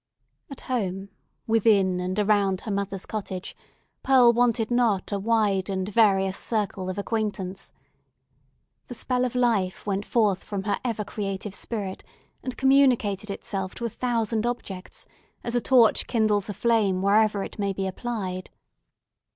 At home, within and around her mother's cottage, Pearl wanted not a wide and various circle of acquaintance. The spell of life went forth from her ever creative spirit, and communicated itself to a thousand objects, as a torch kindles a flame wherever it may be applied.